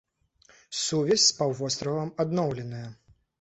Сувязь з паўвостравам адноўленая.